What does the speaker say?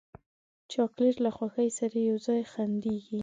چاکلېټ له خوښۍ سره یو ځای خندېږي.